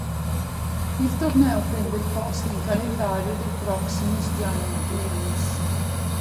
Il torneo prende il posto in calendario del Proximus Diamond Games.